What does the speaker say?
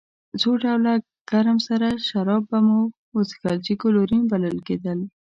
څو ډوله ګرم سره شراب به مو څښل چې ګلووېن بلل کېدل.